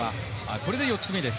これで４つ目です。